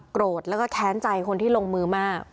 โกรธแล้วก็แค้นใจคนที่ลงมือมาก